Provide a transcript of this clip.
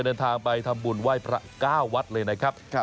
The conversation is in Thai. เดินทางไปทำบุญไว้พระเก้าวัดเลยนะครับครับ